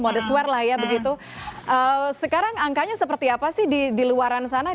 modest wear lah ya begitu sekarang angkanya seperti apa sih di luaran sana